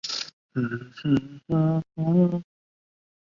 丁香色凤仙花为凤仙花科凤仙花属的植物。